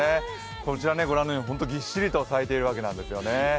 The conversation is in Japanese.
こちらご覧のようにホントぎっしりと咲いているわけですよね。